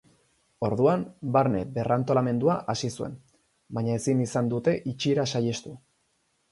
Orduan, barne berrantolamendua hasi zuen, baina ezin izan dute itxiera saiestu.